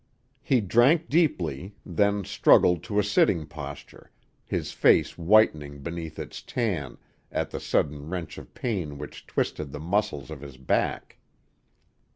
He drank deeply, then struggled to a sitting posture, his face whitening beneath its tan at the sudden wrench of pain which twisted the muscles of his back.